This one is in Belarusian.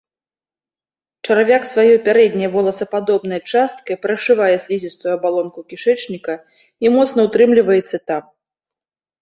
Чарвяк сваёй пярэдняй воласападобнай часткай прашывае слізістую абалонку кішэчніка і моцна ўтрымліваецца там.